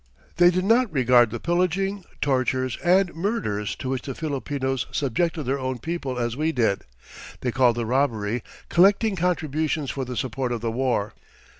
They did not regard the pillaging, tortures, and murders to which the Filipinos subjected their own people as we did. They called the robbery "collecting contributions for the support of the war."